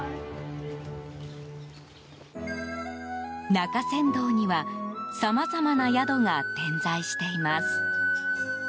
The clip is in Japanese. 中山道にはさまざまな宿が点在しています。